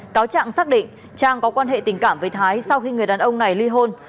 cáo trạng xác định trang có quan hệ tình cảm với thái sau khi người đàn ông này ly hôn